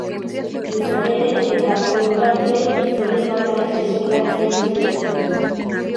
Izan ere, eta, ordura arte, gizonek bakarrik desfilatzen dute bertan.